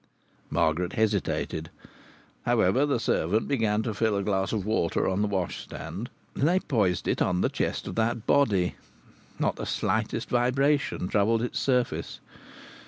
Margaret hesitated. However, the servant began to fill a glass of water on the washstand, and they poised it on the chest of that body. Not the slightest vibration troubled its surface.